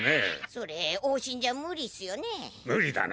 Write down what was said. それ往診じゃ無理っすよね？